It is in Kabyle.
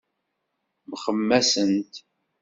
Mxemmasent.